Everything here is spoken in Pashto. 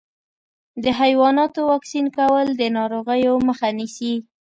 د حیواناتو واکسین کول د ناروغیو مخه نیسي.